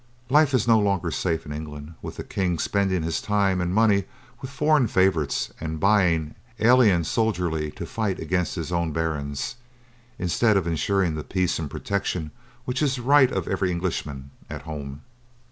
Life is no longer safe in England with the King spending his time and money with foreign favorites and buying alien soldiery to fight against his own barons, instead of insuring the peace and protection which is the right of every Englishman at home.